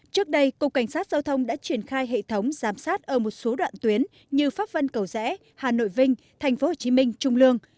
trước đây cục cảnh sát giao thông đã triển khai hệ thống giám sát ở một số đoạn tuyến như pháp vân cầu rẽ hà nội vinh tp hcm trung lương